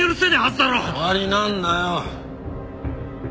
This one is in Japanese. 終わりなんだよ。